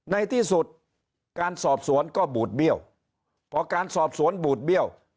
ในที่สุดการสอบสวนก็บูดเบี้ยวพอการสอบสวนบูดเบี้ยว